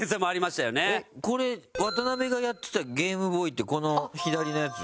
これ渡邉がやってたゲームボーイってこの左のやつ？